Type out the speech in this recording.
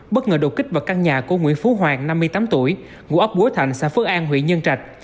bất ngờ đột kích vào căn nhà của nguyễn phú hoàng năm mươi tám tuổi ngũ ốc búa thành xã phước an huyện dân trạch